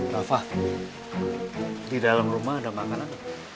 rafah di dalam rumah ada makanan